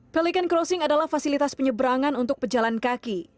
pelican crossing adalah fasilitas penyebrangan untuk pejalan kaki